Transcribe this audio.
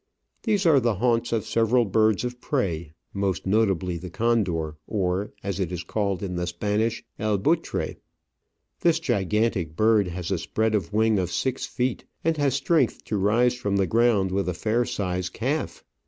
These are the haunts of several birds of prey, most notably the condor, or, as it is called in the Spanish, El Btiitre. This gigantic bird has a spread of wing of six feet, and has strength to rise from the ground with a fair sized calf.